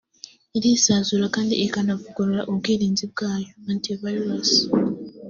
irisazura kandi ikanavugurura ubwirinzi bwayo (Anti Virus)